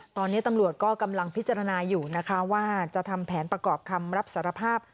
ตอนนี้ตำรวจก็กำลังพิจารณาอยู่นะคะว่าจะทำแผนประกอบคำรับสารภาพ